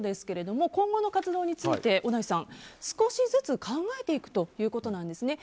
今後の活動については小田井さん少しずつ考えていくということです。